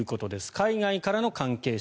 海外からの関係者。